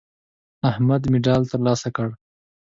احمد مډال ترلاسه کړ.